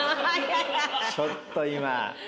ちょっと今。